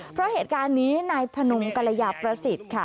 เพราะเหตุการณ์นี้นายพนมกรยาประสิทธิ์ค่ะ